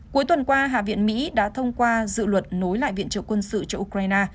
cuối tuần qua hạ viện mỹ đã thông qua dự luật nối lại viện trợ quân sự cho ukraine